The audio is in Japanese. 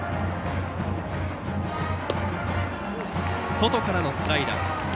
外からのスライダー。